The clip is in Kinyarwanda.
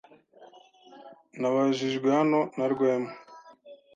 Nabajijwe hano na Rwema.